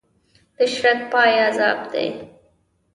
د شرک پای عذاب دی.